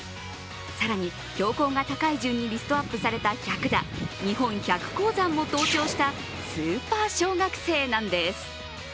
更に、標高が高い順にリストアップされた１００座日本百高山も登頂したスーパー小学生なんです。